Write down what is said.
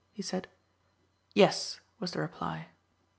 he said. "Yes," was the reply.